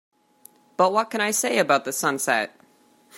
But what can I say about the sunset?